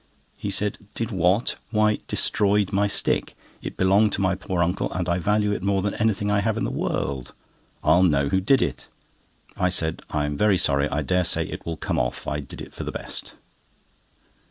He said: "Did what? Why, destroyed my stick! It belonged to my poor uncle, and I value it more than anything I have in the world! I'll know who did it." I said: "I'm very sorry. I dare say it will come off. I did it for the best."